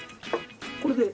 これで。